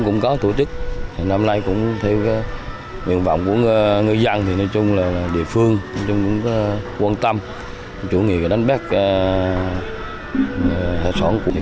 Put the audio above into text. nguyện vọng của ngư dân thì địa phương cũng quan tâm chủ nghĩa đánh bắt hải sản